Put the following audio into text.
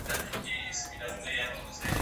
لارښود استاد ګڼې مهمي دندي لري.